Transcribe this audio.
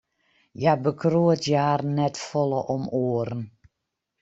Hja bekroadzje harren net folle om oaren.